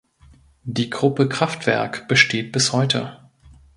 Die Gruppe Kraftwerk besteht bis heute.